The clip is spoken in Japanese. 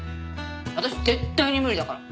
私絶対に無理だから。